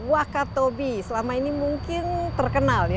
wakatobi selama ini mungkin terkenal ya